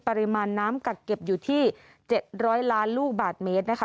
ปริมาณน้ำกักเก็บอยู่ที่๗๐๐ล้านลูกบาทเมตรนะคะ